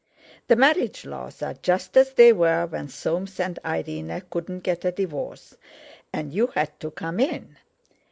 The marriage laws are just as they were when Soames and Irene couldn't get a divorce, and you had to come in.